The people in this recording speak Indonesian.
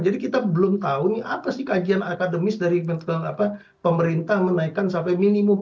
jadi kita belum tahu nih apa sih kajian akademis dari pemerintah menaikkan sampai minimum